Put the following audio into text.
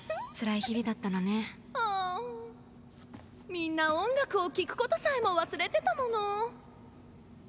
みんな音楽を聴くことさえも忘れてたもの。